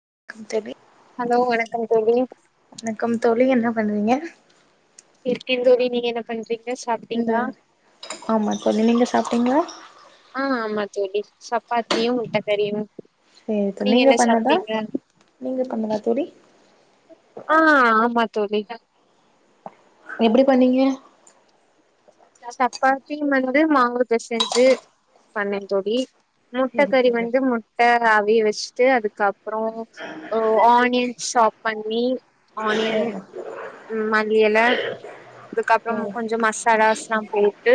[unintelligible] Come தோழி வணக்கம் தோழி என்ன பண்றீங்க இருக்கே தோழி நீங்க என்ன பண் இல்ல ஆமா தோழி நீங்க சாப் டீங்ளா அ ஆமா தோழி சப்பாத்தியு முட்டக்கறியு செர் தோ நீங்க பண்ணதா? நீங்க பண்ணதா தோழி? ஆ ஆமா தோழி [unintelligible] எப்டி பண்ணீங்க? சப்பாத்தி வந்து மாவு பெசஞ்சு பண்னேன் தோழி முட்ட சேரி கறி தோழி வந்து முட்ட ஆவி வெ ச்ட்டு அதுக்கப் றோ ஒ ஆனியன் சாப் பண்ணி ஆனியன் ஆ ம் மல்லி எல அதுக்கப்புறோ ஓ கொஞ்சம் மசாலா சே ஆ போட்டு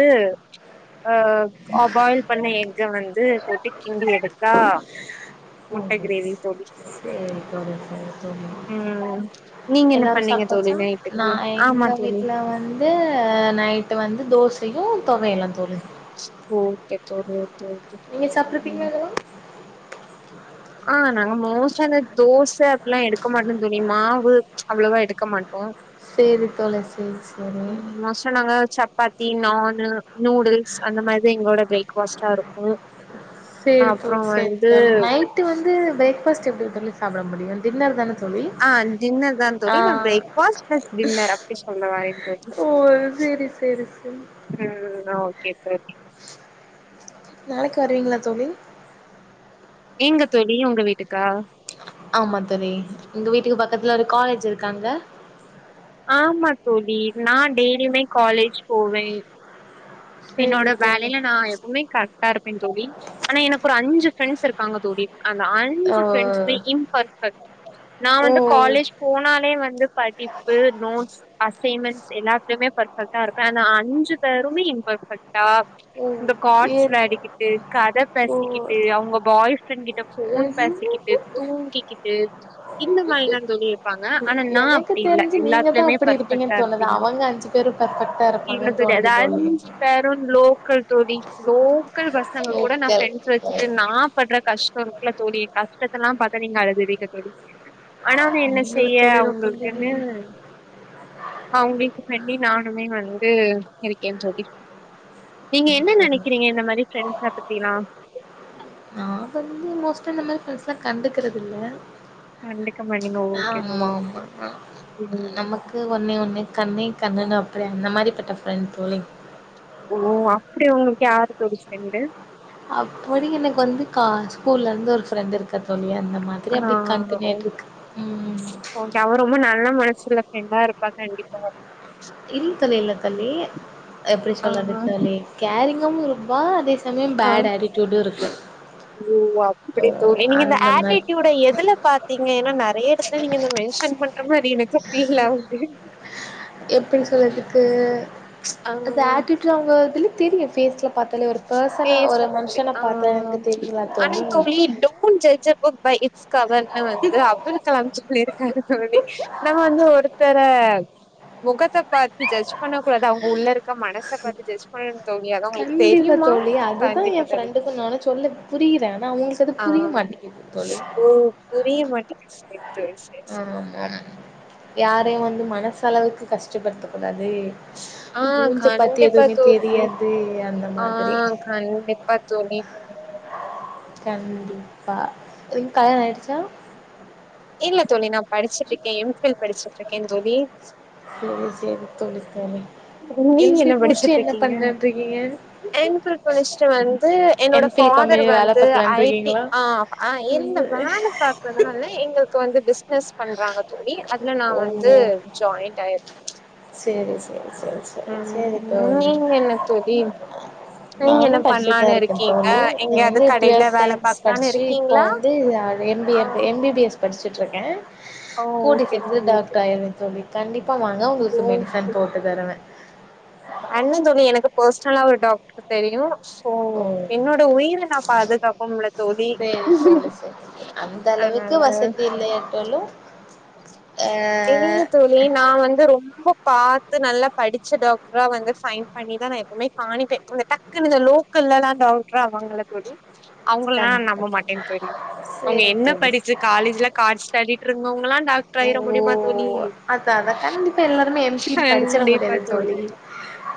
அ பாயில் பண்ண எஃக்க வந்து போட்டு கிண்டி எடுத்தா ஓ முட்ட கிரேவி தோழி செரி தோழி செரி தோழி. ம் நீங்க என்ன எல்லாரும் பண்ணீங்க தோழி சாப்ட்டாச்சா? நா நைட்டுக்கு ஆமா எங்க தோழி வீட்ல வந்து நைட்டு் வந்து தோ சையு தொவையலும் தோழி ஓகே தோழி ஓகே ஓகே நீங்க சாப்டுருப்பீங்களா இதெல்லாம்? ஆஹ் நாங்க மோஸ்ட்டா இந்த தோசை அப்படில்லாம் எடுக்க மாட்டோம் தோழி. மாவு அவ்வளவா எடுக்க மாட்டோ செரி தோழி சரி சரி ம் மோஸ்ட்டா நாங்க சப்பாத்தி, நானு, நூடுல்ஸ் அந்த மாறி எங்களோட பிரேக்ஃபாஸ்ட்டா இருக்கு செரி அப்றோ தோழி சரி வந்து தோழி நைட்டு வந்து வந்து பிரேக்ஃபாஸ்ட் எப்டி இட்லி சாப்பட முடியும் டின்னர் தான தோழி. ஆஹ் டின்னர் தான் ஆ தோழி பிரேக்ஃபாஸ்ட் டின்னர் அப்படி சொல்ல வரேன் தோழி. ஓ சேரி சேரி சேரி ம் ம் ஒகே கெட் பாக் நாளைக்கு வருவீங்களா தோழி? எங்க தோழி உங்க வீட்டுக்கா? சரி எங்க வீட்டுக்கு பக்கத்துல ஒரு காலேஜ் இருக்காங்க ஆமா தோழி நான் டெய்லியுமே காலேஜ் போவேன் சேரி என்னோட தோழி வேலையில நான் எப்பவுமே கரெக்டா இருப் இருப்பேன் தோழி. ஆனா எனக்கு ஒரு அஞ்சு ஃரெண்ட்ஸ் இருக்காங்க தோழி அந்த ஓ அஞ்சு ஃப்ரெண்ட்ஸுமே இம்பர்ஃபெக்ட். நான் ஓ வந்து காலேஜ் போனாலே வந்து இந்த படிப் படிப்பு, நோட்ஸ் அசைன்மென்ட்ஸ் எல்லாத்துலயுமே பர்ரபெக்ட்டா இருப்பேன் ஆனா அஞ்சு பேருமே இம்பெர்ஃபெக்ட்டா ஓ இந்த ஏ கார்ட்ஸ் வெளையாடிக்கிட் ட்டு, கதை ஓ பேசிக்கிட்டு, அவங்க பாய் ஃப்ரெண்ட் கிட்ட ஃபோன் பேசிக்கிட்டு, தூங்கிக்கிட்டு இந்த மாதிரிதா தோழி இருப்பாங்க. ஆனா நான் எனக்கு தெரிஞ்சு நீங்க தான் அப்படி இருப்பீங்கன்னு தோணுது. அவங்க அஞ்சு பேரும் பர்பெக்ட்டா இல்ல இருப்பாங்கன்னு தோணுது அது தோழி அஞ்சு பேரு லோக்கல் தோழி லோ மக்கள் பசங்க கூட நா லோக்கல் ஃப்ரண்டஸ் வச்சுட்டு நா படுற கஷ்டோருக்ல தோழி கஷ்டத்தல்லா பாத்தா நீங்க அழுதுருவீங்க தோழி ஆனா வந்து என்ன நீங்களா செய்ய தோழி லோக்கல் அவ்ங்களுக் என்னே நீங்க அவ்ங்களுக்கு பண்ணி நானுமே வந்து இருக்கே தோழி நீங்க என்ன நெனைக்கிறீங்க இந்த மாரி ஃப்ரெண்ட்ஸ பத்தீலா மோஸ்டா இந்த மாரி ஃப்ரெண்ட்ஸ்லா கண்டுக்குறதில்ல கண்டுக்க மாட்டீங்க ஓகே ஆமா தோழி மா மா ம் நமக்கு ஒன்னே ஒண்ணு கண்ணே கண்ணுன்னு அப்றோ எந்த மாரி பட்ட ஃப்ரெண்ட் போலி ஓ அப்டி உங்களுக்கு யாரு தோழி ஃப்ரெண்டு அப்டி எனக்கு வந்து கா ஸ்கூல்ல இருந்து ஒரு ஃப்ரெண்ட் இருக்க தோழியா இந்த மாதிரி ஆ அப்டி கண்டிணியாய்ட் இருக்கு ஓகே அவ ரொம்ப நல்ல மனசுல்ல ஃப்ரெண்டா இருப்பா கண்டிப்பா இல் தோழி இல்ல தோழி எப்படி ஆ சொல்றது தோழி கேரிங் [unintelligible] இருப்பா அதே சமயம் ஆஹ் பேட் ஆட்டிடியூடு இருக்கு ஓஹ் அப்டி ஓ தோழி நீ இந்த அந்த மாரி ஆட்டிடியூட எதுல பாத்தி ஏன்னா நெறைய இடத்துல நீங்க இந்த மென்ஷன் பண்ற மாரி எனக்கு ஃபீல் ஆகுது எப்டி சொல்லத்துக்கு ஆ அது ஆட்டிடியூட் அவங்க துல தெரியு ஃபேஸ்ல பாத்தாலே ஒரு பர்சன பேஸ்ல ஒரு பாத்தாலே மனுஷன பாத்தா ஆஹ் எனக்கு தெரியுல ஆனா இப்போ தோழி அவ leave don't judge book by its கவர்னு வந்து அப்துல் கலாம் சொல்லிருக்காரு தோழி நம்ம வந்து ஒருத்தர முகத்த பார்த்து ஜட்ஜ் பண்ண கூடாது அவ்ங்க உள்ள இருக்க மனச பாத்து ஜட்ஜ் பண்ணனு தோழி அது அவ்ங்க ளுக்கு கண்டிப்பா தோழி அதுதா ஏ ஃப்ரெண்டுக்கு நானு சொல்ல புரியிறே ஆனா அவங்களுக்கு அது ஆ புரிய மாட்டேங்குது தோழி ஓ புரிய மாட்டேங்குது சரி தோழி சரி ஆஹ் சரி மா மா யாரயு வந்து மனசளவுக்கு கஷ்டப்படுத்தக்கு அது ஆ மூஞ்ச பாத்து கண்டிப்பா எதுவுமே தோழி தெரியாது அந்த ஆ மாதிரி கண்டிப்பா தோழி ம். கண்டிப்பா நீ கல்யாண ஆய்டுச்சா இல்ல தோழி நா படிச்சிட்ருக்கே எம் ஃபில் படிச்சுட்டுருக்கே தோழி செரி செரி தோழி தோழி நீங்க எம் பி என்ன முடிச்சுட்டு என்ன படிச்சிட்ருக்கீங்கா பண்லான்ட்டு இருக்கீங்க எம் ஃபில் படிச்சிட்டு வந்து என்னோட எம் பி பாதர் கம்பெனில வேல வந்து பாக்கலான்ட்டு ஐ டீ இருக்கீங்களா ஆஹ் எந்த வேலை பாக்குறதுனால எங்களுக்கு வந்து பிஸ் பிஸ்னஸ் பண்றாங்க தோழி அதுல நான் ஓ வந்து ஜாயிண்ட் ஆயிருக்கே சரி சரி சரி ம் தோழி நீங்க என்ன தோழி நீங்க என்ன நானும் படிச்சுட்டுதான் பண்லான்னு இருக்கேன் இருக்கீங்க தோழி நான் எங்கயாவது வந்து கடைல ப்யூர் வேல சயின்ஸ் பாக்கலான்னு படிச்சு இப்போ இருக்கீங்களா வந்து எம் பி ஆ எம் பி பி எஸ் படிச் ட்டு இருக்கேன் ஓ கூடி ஓகே சீக்ர தோழி ஓகே டாக்டர் ஆயிருவேன்னு சொல்லி கண்டிப்பா வாங்க உங்களுக்கு மெடிசன் போட்டு தருவேன் அண்ணன் தோழி எனக்கு பர்ஸ் நல்லா ஒரு டாக்டர் தெரியும் உம் ஓ என்னோட உயிர நான் பாதுகாப்பன்ல தோழி சேரி தோழி சேரி சேரி அந்த அளவுக்கு அதனால வசதி இல்லையாட்டாலு ஆ தெரில தோழி நான் வந்து ரொம்ப பாத்து நல்லா படிச்ச டாக்டரா வந்து ஃபைன் பண்ணிதான் நான் எப்பவுமே காணிப்பேன் கொ டக்குன்னு இந்த லோக்கல்ல எல்லா டாக்டர் ஆவங்கள தோழி அவங்களல்லாம் கண்டிப்பா நம்ப மாட்டேன் தோழி கண்டிப்பா அவங்க சேரி என்ன தோழி படிச்சு சேரி. காலேஜ்ல கார்ட்ஸ் விளையாடிட்டு இருந்தவங்கல்லாம் டாக்டர் ஆயிரும் ஓ முடியுமா தோழி அதா அதா கண்டிப்பா எல்லாருமே எம் ஃபில் படிச்சிட கண்டிப்பா முடியாது தோழி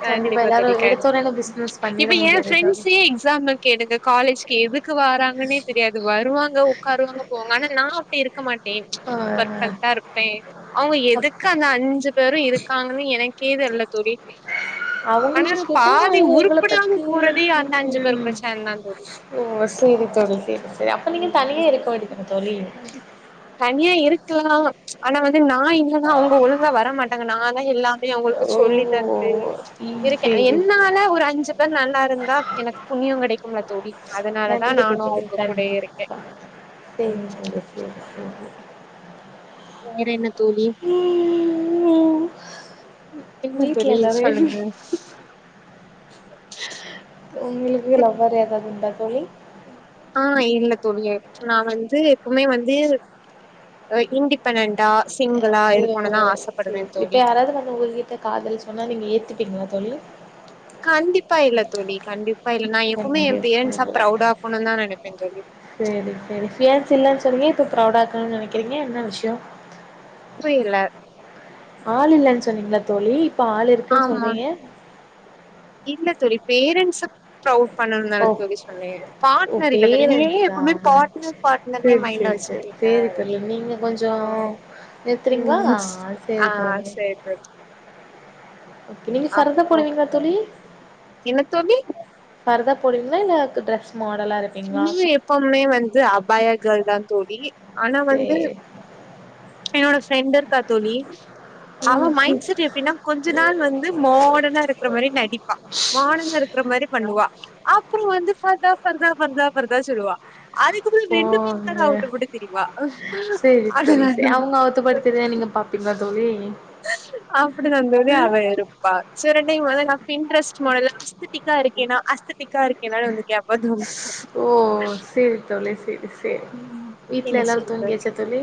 கண்டிப்பா எல்லாரு தோழி எடுத்தோனே கண்டிப் பிசினஸ் இப்ப பண்ணிட ஏன் முடியாது தோழி ஃபிரண்ட்ஸ் எக்ஸாம்பிள் எடுக் இந்த காலேஜ்க்கு எது க்கு வாராங்கனே தெரியாது வருவாங் தா உக்காருவாங்க போவாங்க ஆனா நா அப்டி இருக்க மாட் டேன் ஆ பர்ஃபெக்ட்டா இரு [unintelligible] அவுங்க எதுக்கு அந்த தே அஞ்சு பேரு இருக்காங்கன்னு எனக்கே தெர்ல தோழி ஆனா அவுங்கள்ட கேட்டா பாதி உங்கள உருப்படாம பத்தி போறதே அந்த பேர் ம் பிரச்சன தான் தோழி. ஓ சேரி தோழி சேரி சேரி அப்ப நீங்க தனியா உம் இருக்க வேண்டியது தானே தோழி [unintelligible] ஆனா வந் து நா இல்லனா அவுங்க ஒழுங்கா வரமாட்டாங்க நா தா எல்லாமே அவங்களுக்கு ஓ சொல்லி தந்து ம் இருக்கே சேரி சேரி என்னால ஒரு அஞ்சு பேர் நல்லா இருந் னா எனக்கு புண்ணியோ கெடைக்குல தோழி அதனாலதா கண்டிப்பா நானு தோழி அவுங்க கூடயே இருக்கே கண்டிப்பா சேரி ம் சேரி சேரி வேற என்ன தோழி ம் என்ன வீட்ல தோழி எல்லாரு சொல்லுங்க உங்ளுக்கு லவ்வர் எதாது உண்டா தோழி ஆ இல்ல தோழி நா வந்து எப்வுமே வந்து ஆ இன்டிபெண்டண்டா ஓ ஓ சரி இப்ப தோழி யாராது வந்து உங்ககிட்ட காதல் சொன்னா நீங்க ஏத்துப்பீங்களா தோழி கண்டிப்பா இல்ல தோழி கண்டிப் [unintelligible] ஆக்கணுதா நெனைப்பே தோழி செரி செரி ஃபியான்சி இல்லனு சொன்னீங் [unintelligible] ப்ரௌடா ஆக்கனுனு நெனைக்கறீங்க என்ன விஷயம் [unintelligible] ஆள் இல்லன் சொன்னீங்கல தோழி ப்ப ஆள்ருக்குன்னு ஆமா சொல்றீங்க தோழி பேரன்ட்ஸ பிரௌட் பண்ணனு தான ஓ தோழி சொன்னே ஓ பாட்னர் இல்ல தோழி நீங்க ஏ பேரண்ட்ஸா எப்புமே பாட்னர் பாட்னர்னே சேரி மைன்ட்ல சேரி சேரி வச்சுக்கறீங்க சேரி தோழி நீங்க கொஞ்சோ நிறுத்துறீங்களா ஆ ஆ சேரி தோழி சேரி தோழி ஓகே நீங்க [unintelligible] அப்போ போடுவீங்ளா தோழி என்ன தோழி ஃபர்தா போடுவீங்ளா இல்ல ட்ரெஸ் மாடலா இருப்பீங்களா இங்கியு எப்போதுமே வந்து [unintelligible] கேல் தா தோழி ஆனா வந்து சேரி என்னோட ஃப்ரெண்ட் க்கா தோழி அவ மைண்ட் செட் எப்டின்னா கொஞ்ச நாள் வந்து மாடர்னா இருக்கற மாறி நடிப்பா மாடர்னா இருக்கற மாறி பண்ணுவா அப்றோ வந்து பாத்தா ஃபர்தா ஃபர்தா ஃபர்தா சொல்லுவா அதுக்கப்ற ரெண்டுமே இருக்காது போங்க அவுத்து போட்டுட்டு திரிவா சேரி தோழி சேரி அவங்க ஆத்துப்படுத்துறத நீங்க பாப்பீங்களா தோழி அப்டி தா தோழி ம் அவ இருப்பா செரி ரெண்டுமே பின்ட்ரஸ்ட் மாடல்ல த்டிக்கா இருக்கேன்னா அஸ்த் டிக்கா இருக்கேனானு வந்து கேப்பா திரும்ப ஓ செரி தோழி செரி செரி ம். வீட்ல என்ன எல்லாரு செய்றது? தூங்கியாச்சா தோழி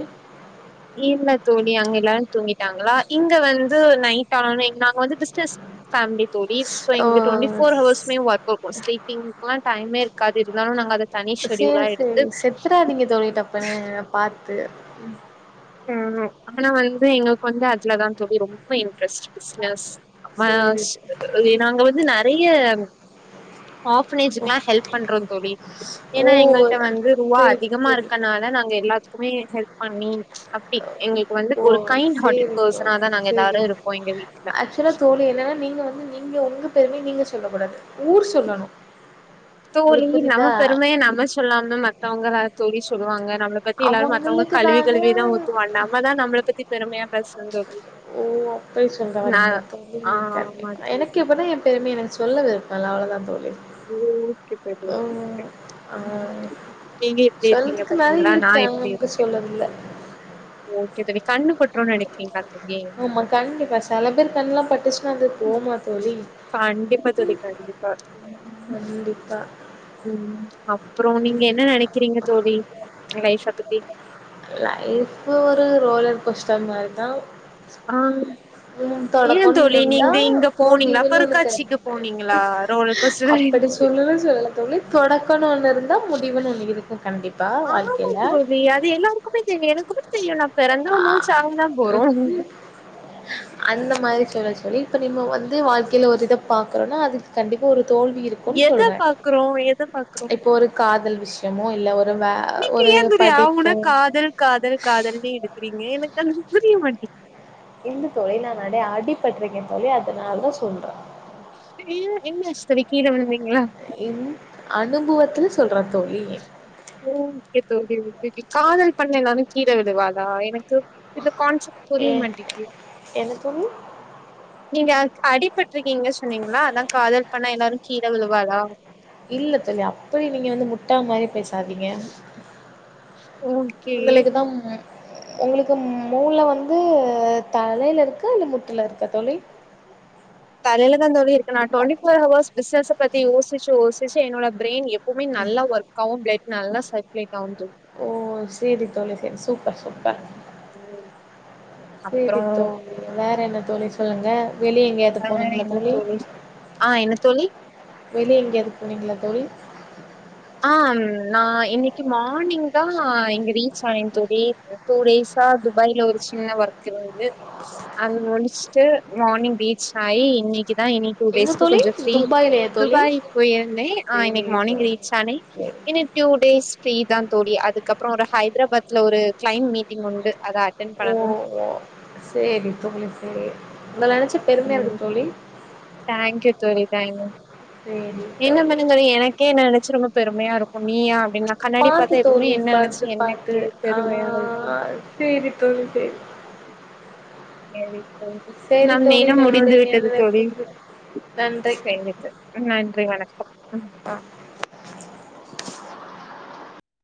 இல்ல தோழி அங்க எல்லாரு தூங்கிட்டாங்களா இங்க வந்து நைட் டானிக் நாங்க வந்து பிஸ்னஸ் ஃபேமிலி தோழி ஷோ ஓ எங்களுக்கு டுவெண்டி ஃபோர் ஹவர்ஸ்மே ஒர்க் இருக்கு ஸ்லீப்பிங்கெல்லா டைம் க்காது இருந்தாலு நாங்க தனி செரி ஷெட்யூலா எடுத்து செரி செத்ராதீங்க தோழி டப்புன்னு பா த்து ம் ஆனா வந்து எங்ளுக்கு வந்து அதுலதா தோழி ரொம்ப இன்ட்ரஸ்ட் பிசினஸ் ஆ சேரி நாங்க வந்து நெறய ஆஃப்னேஜ்க்லா ஹெல்ப் பண்றோ தோழி ஓ ஏன்னா எங்கள்ட்ட வந்து ருவா சேரி அதிகமா சேரி இருக்கனால நாங்க எல்லா மே ஹெல்ப் பண்ணி அப்டி எங்களுக்கு வந்து ஓ ஒரு கைண்ட் ஹார்ட்டட் சேரி தோழி பர்சனாதா நாங்க சேரி எல்லாரு இருப்போ எங்க வீட்ல ஆக்சுவலா தோழி என்னன்னா நீங்க வந்து நீங்க உங்க பெருமய நீங்க சொல்லக்கூடாது ஊர் சொல்லணு தோழி உங்களுக்கு புரியுதா நம்ம பெருமைய நம்ம சொல்லாம மத்தவங்கலா தோழி ஸ் சொல்லுவாங்க நம்மள பத்தி எல்லாரு மத்தவங்க அவங்களுக்கு கழுவி தானே கழுவிதா ஊத்துவா நம்ம தா நம்மள பத்தி பெருமையா பேசணு தோழி ஓ அப்டி சொல்ல நா வரிங்களா தோழி ஆ கரெக்ட் ஆமா தா எனக்கு தோழி இப்தா என் பெருமைய எனக்கு சொல்ல வருது நால்லா அவ்ளோ தா தோழி ஓ ம். [unintelligible] ஆ சொல்றதுக்கு பாத்தீங்களா நெறைய நா இருக்கு ஆனா எப்டி இப்ப இருக்கே சொல்ல முடில்ல ஓகே தோழி கண்ணு பட்ருன்னு நெனைக்கீங்களா ஆமா கண்டிப்பா செல பேர் கண்லாம் பட்டுச்சு கண்டிப்பா தோழி கண்டிப்பா கண்டிப்பா. ம் அப்றோ நீங்க என்ன நெனக்கிறீங்க தோழி லைஃப்ப பத்தி லைஃப் ஒரு ரோலர் கோஸ்டர் மாரிதா ஆ ஏன் ஒண்ணு தோழி இருந்தா, நீங்க இங்க போனிங்ளா முடிவுன்னு ஒண்ணு கண் பொருகட்காட்சிக்கு போனீங்களா ரோலர் கோஸ்ட்ல அப்படி சொல்லணும்னு சொல்லல தோழி தொடக்கனுன்னு ஒன்னு ந்தா முடிவுனு ஒன்னு இருக்கும் கண்டிப்பா வாழ்க்கைல க்குமே தெரியு எனக்குமே தெரியு எல்லா பெறந்தவங்களா சாவதா போறோம் அந்த மாரி சொல்ல தோழி இப்ப நிம்ம வந்து வாழ்க்கையில ஒரு இத பாக்றோன்னா அதுக்கு கண்டிப்பா ஒரு தோல்வி இருக்குன்னு எத சொல்றே பாக்குறோ எத பாக்குறோ இப்ப ஒரு காதல் விஷயம் எமோ இல்ல ஒரு வே நீங்க ஒரு ஏ தோழி ஆ படிப்போ உனா காதல் காதல் காதல்னே எடுக்கு றீங்க எனக்கு அது புரிய மாட்டி இந்த தொழில்ல நெறய அடிப்பட்ருக்கே தோழி அதனால தா சொல்றோ ஏ என்னச்சி தோழி கீழ விழுந்திங்கங்களா என் அனுபவத்துல சொல்ற ஓ கேக்குது கேக்குது இப்டி காதல் பண்ண எல்லாமே கீழ விலுவாதா எனக் கு இந்த கான்செப்ட் ஏ புரிய மாட்டேக்கி என்ன தோழி நீங்க அக் அடிபட் இருக்கீங்க சொன்னீங்களா அதா காதல் பண்ண எல்லாரு கீழ விழு வதா இல்ல தோழி அப்டி நீங்க வந்து முட்டா மாரி பேசாதீங்க ஓகே உங்களுக்குத்தா உம் உங்களுக்கு மூல வந்து தலயில இருக்க இல்ல முட்டில இருக்கா தோழி தலையில தா தோழி இருக்கு நா டுவென்டி ஃபோர் ஹவர்ஸ் பிஷ்னஸ பத்தி யோசிச்சி யோசிச்சி என்னோட பிரைன் எப் பவுமே நல்லா ஒர்க்காவு ப்ளட் நல்லா சப்ளே ஓ செரி தோழி செரி சூப்பர் சூப் பர் அப்புறோ செரித்தோழி வேற என்ன தோழி சொல்லுங்க வெளிய எங்கேயாவது ஆஹ் போனீங்களா என்ன தோழி ஆஹ் என்ன தோழி வெளிய எங்கேயாது போனீங்களா தோழி ஆஹ் நா இன்னக்கி மார்னிங் தா இங்க ரீச் ஆன தோழி டூ டேஸா துபாய்ல ஒரு சின்ன ஒர்க் இருந்து அது முடிச்சுட்டு மார்னிங் ரீச் ஆயி இன்னக்கி ஆனா இனி டூ எங்க டேஸ்க்கு தோழி கொஞ்ச ஃப்ரீ துபாய்லயா தோழி துபாய் போயிருந்தே ஆ சேரி இன்னைக்கு மார்னிங் தோழி ரி ழி சேரி இன்னு டூ டேஸ்க்கு ஃப்ரீதா தோழி அதுக்கப்றோ ஒரு ஹைதராபாத்ல ஒரு கிளைன்ட் மீட்டிங் உண்டு அத அட்டன் பண்ணனு ஓஹ் ஓஹ் செரித்தோழி செரி உங்கள நெனச்சி பெருமயா இருக்கு ம் தோழி தேங்க்யூ தோழி தேங்க்யூ சேரி தோழி [unintelligible] எனக்கே நெனச்சு ரொம்ப பெ பெருமயா இருக்கு நீயா அப் பாத்து தோழி பாத்து பாத்து எனக்கே பெருமையா ஆஹ் செரி தோழி செரி செரி சேரி நம் தோழி இனம் முடிந்து நம்மளுடைய விட்டது நேர தோழி செரி தோழி நன்றி வணக் ஆஹ்